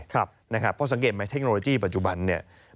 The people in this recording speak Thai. เพราะสังเกตไหมเทคโนโลยีปัจจุบันเนี่ย